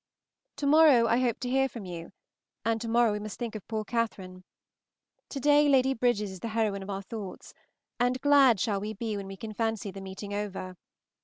To morrow I hope to hear from you, and to morrow we must think of poor Catherine. To day Lady Bridges is the heroine of our thoughts, and glad shall we be when we can fancy the meeting over.